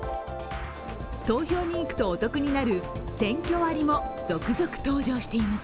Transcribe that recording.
投票に行くとお得になるセンキョ割も続々登場しています。